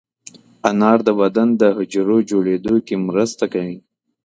انار د بدن د حجرو جوړېدو کې مرسته کوي.